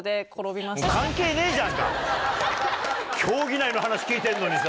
競技内の話聞いてんのにさ。